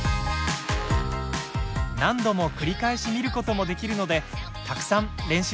何度も繰り返し見ることもできるのでたくさん練習してみてください。